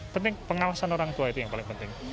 penting pengawasan orang tua itu yang paling penting